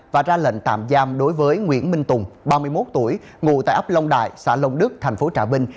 và ra lệnh tạm giam đối với nguyễn minh tùng ba mươi một tuổi ngủ tại ấp long đại xã long đức tp trà vinh